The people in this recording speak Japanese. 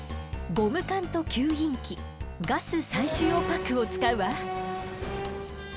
ゴム管と吸引器ガス採取用パックを使うわ。